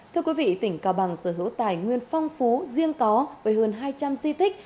thưa quý vị tỉnh cao bằng sở hữu tài nguyên phong phú riêng có với hơn hai trăm linh di tích